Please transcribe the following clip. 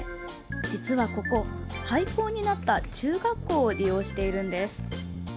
実はここ、廃校になった中学校を利用しているんです。